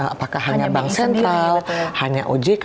apakah hanya bank sentral hanya ojk